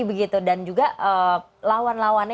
begitu dan juga lawan lawannya